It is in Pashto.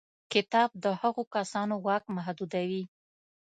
کتاب د هغو کسانو واک محدودوي.